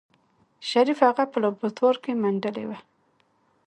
شريف هغه په لابراتوار کې منډلې وه.